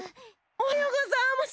おはようござます！